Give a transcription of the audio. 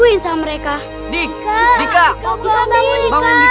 oh ya rhonte a perlu nignik doang